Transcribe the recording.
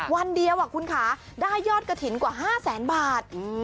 วันเดียวอะคุณคะได้ยอดกะถินกว่า๕๐๐๐๐๐บาท